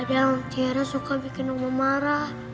kadang kadang tiara suka bikin mama marah